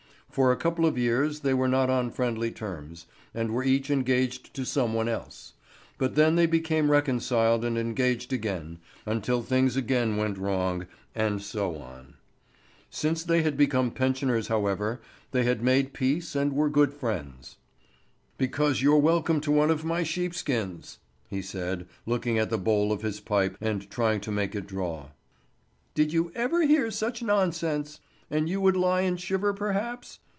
For a couple of years they were not on friendly terms, and were each engaged to some one else; but then they became reconciled and engaged again, until things again went wrong, and so on. Since they had become pensioners, however, they had made peace and were good friends. "Because you're welcome to one of my sheepskins!" he said, looking at the bowl of his pipe and trying to make it draw. "Did you ever hear such nonsense! And you would lie and shiver perhaps?"